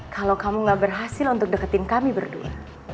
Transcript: kalau kamu gak berhasil untuk deketin kami berdua